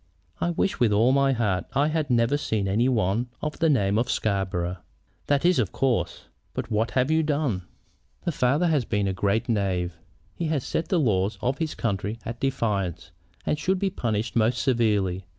"I wish with all my heart I had never seen any one of the name of Scarborough!" "That is of course; but what have you done?" "The father has been a great knave. He has set the laws of his country at defiance, and should be punished most severely.